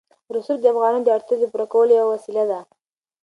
رسوب د افغانانو د اړتیاوو د پوره کولو یوه وسیله ده.